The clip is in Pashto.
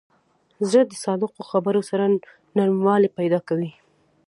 زړه د صادقو خبرو سره نرموالی پیدا کوي.